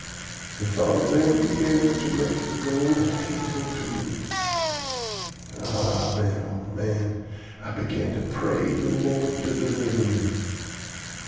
The thought of them began to make the gold hateful to me. Ah, then, old man, I began to pray the Lord to deliver me!